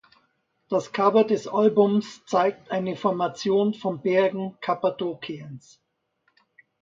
Das Cover des Albums zeigt eine Formation von Bergen Kappadokiens.